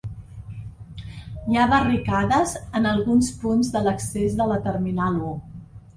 Hi ha barricades en alguns punts de l’accés de la terminal u.